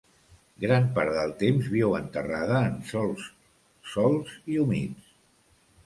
Gran part del temps viu enterrada en sòls solts i humits.